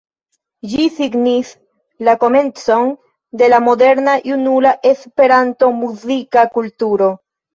Ĝi signis la komencon de la moderna junula Esperanto-muzika kulturo.